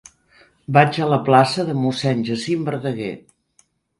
Vaig a la plaça de Mossèn Jacint Verdaguer.